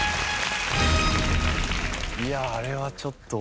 いやああれはちょっと。